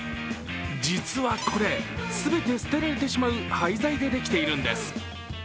実はこれ、全て捨てられてしまう廃材でできているんです。